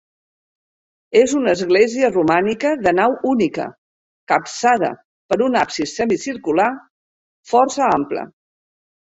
És una església romànica de nau única, capçada per un absis semicircular força ample.